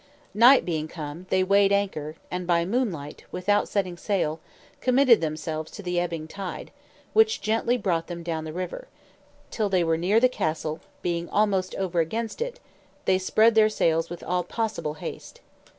Night being come, they weighed anchor, and by moonlight, without setting sail, committed themselves to the ebbing tide, which gently brought them down the river, till they were near the castle; being almost over against it, they spread their sails with all possible haste.